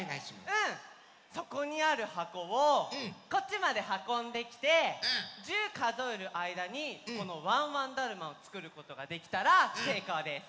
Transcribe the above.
そこにあるはこをこっちまではこんできて１０かぞえるあいだにこのワンワンだるまをつくることができたらせいこうです。